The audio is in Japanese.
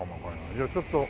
じゃあちょっとああ